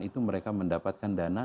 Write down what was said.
itu mereka mendapatkan dana